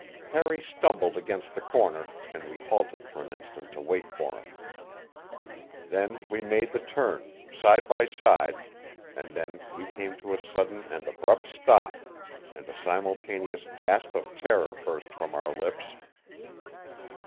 Harry stumbled against the corner, and we halted for an instant to wait for him. Then we made the turn, side by side and then we came to a sudden and abrupt stop, and a simultaneous gasp of terror burst from our lips.